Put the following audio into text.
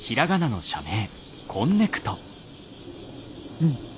うん！